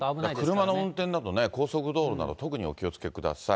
車の運転だと、高速道路など、特にお気をつけください。